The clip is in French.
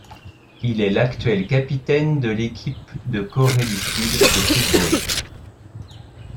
Il est l'actuel capitaine de l'équipe de Corée du Sud de football.